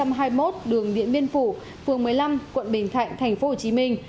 tại số ba trăm hai mươi một đường điện biên phủ phường một mươi năm quận bình thạnh thành phố hồ chí minh